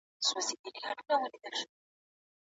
موږ به دا ويجاړ هېواد بېرته جوړوو.